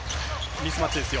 ミスマッチですよ。